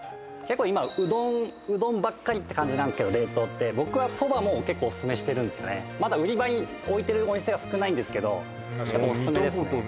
結構今うどんばっかりって感じなんですけど冷凍って僕はそばも結構おすすめしてるんですよねまだ売り場に置いてるお店は少ないんですけどおすすめですね